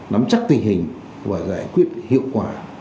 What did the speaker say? nắm chắc tình hình và giải quyết hiệu quả